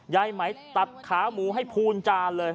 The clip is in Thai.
ไหมตัดขาหมูให้พูนจานเลย